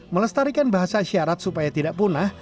melestarikan bahasa syarat supaya tidak punah